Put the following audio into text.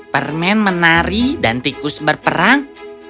permen menari dan tikus berperang